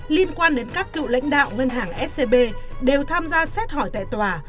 liên quan đến các cựu lãnh đạo ngân hàng scb đều tham gia xét hỏi tại tòa